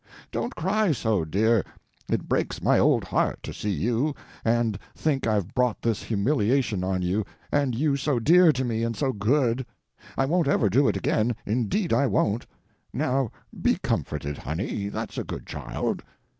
Don't cry so, dear, it breaks my old heart to see you, and think I've brought this humiliation on you and you so dear to me and so good. I won't ever do it again, indeed I won't; now be comforted, honey, that's a good child."